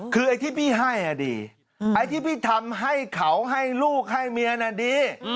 คือไอ้ที่พี่ให้ดีไอ้ที่พี่ทำให้เขาให้ลูกให้เมียน่ะดี